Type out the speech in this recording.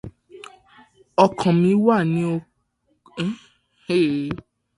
Ọkàn mí wà ní oko mi nítorí òjò tí ò rọ̀ dáadáa lásìkó yìí